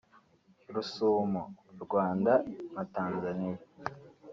Rusumo (Rwanda - Tanzania)